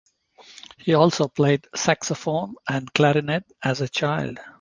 He also played saxophone and clarinet as a child.